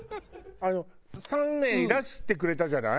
あの３名いらしてくれたじゃない？